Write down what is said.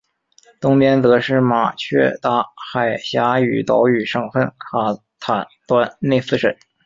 东边则是马却达海峡与岛屿省份卡坦端内斯省。